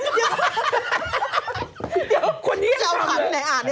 เดี๋ยวคนนี้มันทำเลย